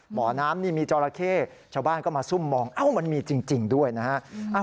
หมอน้ำนี่มีจอราเข้ชาวบ้านก็มาซุ่มมองเอ้ามันมีจริงด้วยนะฮะ